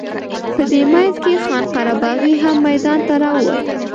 په دې منځ کې خان قره باغي هم میدان ته راووت.